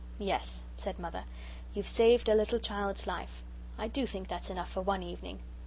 "Yes," said Mother, "you've saved a little child's life. I do think that's enough for one evening.